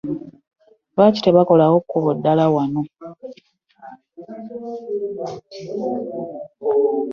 Lwaki tebakolawo kubo ddala wano?